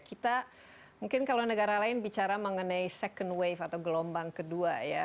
kita mungkin kalau negara lain bicara mengenai second wave atau gelombang kedua ya